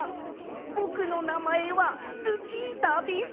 ぼくのなまえはルチータです。